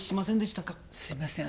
すいません。